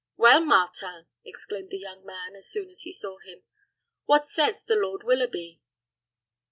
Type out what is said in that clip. "Well Martin," exclaimed the young man, as soon as he saw him, "what says the Lord Willoughby?"